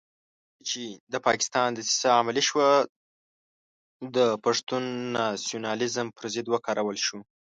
کله چې د پاکستان دسیسه عملي شوه د پښتون ناسیونالېزم پر ضد وکارول شو.